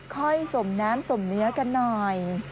สมน้ำสมเนื้อกันหน่อย